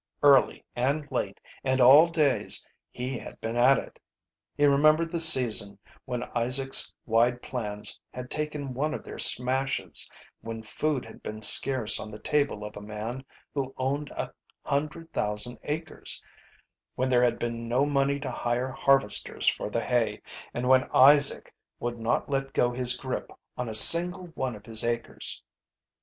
Early and late and all days he had been at it. He remembered the season when Isaac's wide plans had taken one of their smashes, when food had been scarce on the table of a man who owned a hundred thousand acres, when there had been no money to hire harvesters for the hay, and when Isaac would not let go his grip on a single one of his acres.